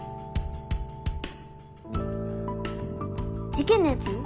事件のやつ？